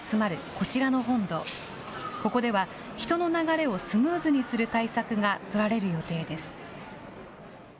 ここでは、人の流れをスムーズにする対策が取られる予定です。